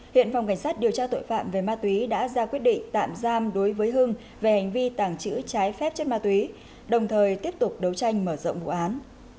hiện phòng cảnh sát điều tra tội phạm về ma túy đã ra quyết định tạm giam đối với hưng về hành vi tàng trữ trái phép chất ma túy đồng thời tiếp tục đấu tranh mở rộng vụ án